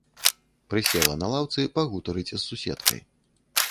Прысела на лаўцы пагутарыць з суседкай.